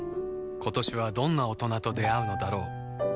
今年はどんな大人と出会うのだろう